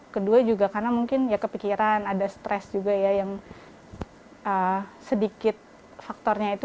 kedua juga karena mungkin ya kepikiran ada stres juga ya yang sedikit faktornya itu